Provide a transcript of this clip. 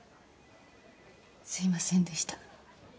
すいませんでした。